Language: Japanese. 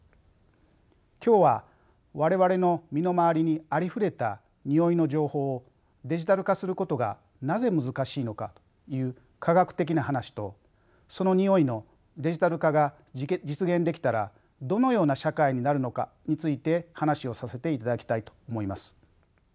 今日は我々の身の回りにありふれたにおいの情報をデジタル化することがなぜ難しいのかという科学的な話とそのにおいのデジタル化が実現できたらどのような社会になるのかについて話をさせていただきたいと思います。